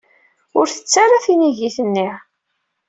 Ur ttettu ara tinigit-nni.